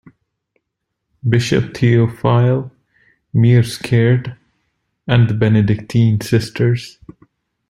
Bishop Theophile Meerschaert and the Benedictine Sisters.